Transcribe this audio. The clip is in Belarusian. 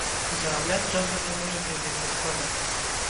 Зарабляць джазавай музыкай вельмі складана.